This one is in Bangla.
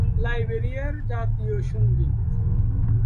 লাইবেরিয়ার জাতীয় সঙ্গীত।